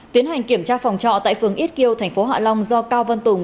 tiến hành kiểm tra phòng trọ tại phường ít kiêu tp hạ long do cao văn tùng